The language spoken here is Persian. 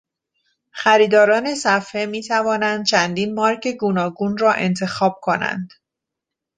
خریداران صفحه میتوانند چندین مارک گوناگون را انتخاب کنند.